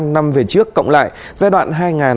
năm về trước cộng lại giai đoạn hai nghìn hai nghìn một mươi bốn